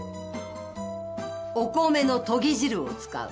お米のとぎ汁を使う。